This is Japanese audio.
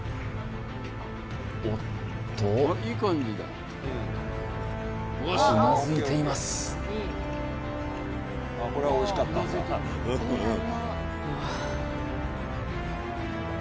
おっとうなずいていますさんは一口でいったうん？